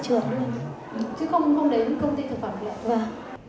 chứ không đến công ty thực phẩm hiện